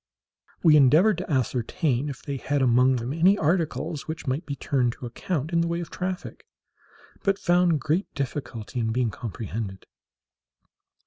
We endeavoured to ascertain if they had among them any articles which might be turned to account in the way of traffic, but found great difficulty in being comprehended.